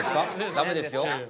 ダメですよ。